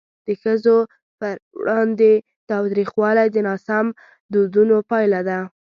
د ښځو پر وړاندې تاوتریخوالی د ناسم دودونو پایله ده.